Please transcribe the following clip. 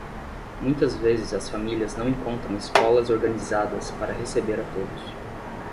muitas vezes as famílias não encontram escolas organizadas para receber a todos